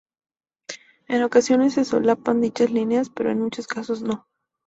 En ocasiones se solapan dichas líneas pero en muchos casos no.